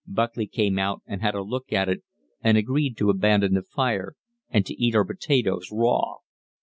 Buckley came out and had a look at it and agreed to abandon the fire, and to eat our potatoes raw.